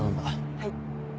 はい。